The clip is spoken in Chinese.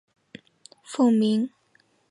凤鸣古冢的历史年代为宋代。